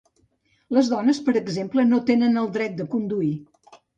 Les dones, per exemple, no tenen el dret de conduir.